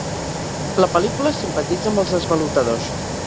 La pel·lícula simpatitza amb els esvalotadors.